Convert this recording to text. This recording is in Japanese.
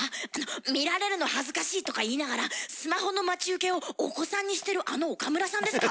見られるの恥ずかしいとか言いながらスマホの待ち受けをお子さんにしてるあの岡村さんですか？